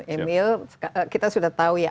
emil kita sudah tahu ya